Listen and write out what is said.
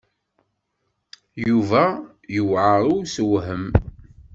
Yuba yewɛeṛ i ussewhem.